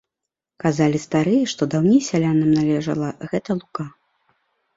Казалі старыя, што даўней сялянам належала гэта лука.